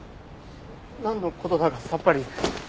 なんの事だかさっぱり。